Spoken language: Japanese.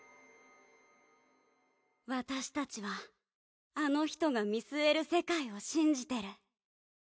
私たちはあの人が見据える世界を信じてる。